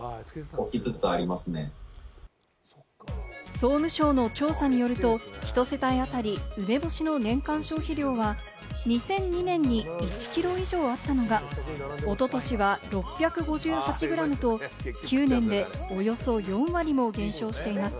総務省の調査によると、一世帯当たり梅干しの年間消費量は、２００２年に１ｋｇ以上あったのが、おととしは６５８ｇと、９年でおよそ４割も減少しています。